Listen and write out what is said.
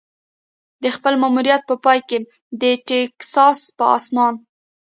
د خپل ماموریت په پای کې د ټیکساس په اسمان.